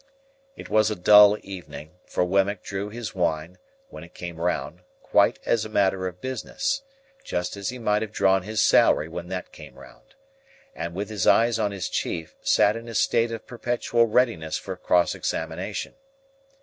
It was a dull evening, for Wemmick drew his wine, when it came round, quite as a matter of business,—just as he might have drawn his salary when that came round,—and with his eyes on his chief, sat in a state of perpetual readiness for cross examination.